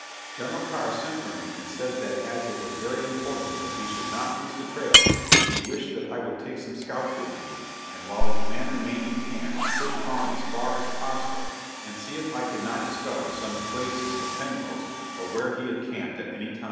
General Carr sent for me and said that as it was very important that we should not lose the trail, he wished that I would take some scouts with me, and while the command remained in camp, push on as far as possible and see if I could not discover some traces of Penrose or where he had camped at any time.